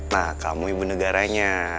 nah kamu ibu negaranya